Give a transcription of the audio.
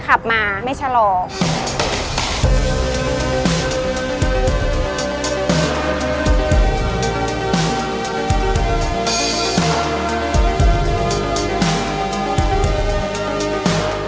ขับมาไม่ชะลอก